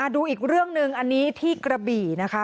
ดูอีกเรื่องหนึ่งอันนี้ที่กระบี่นะคะ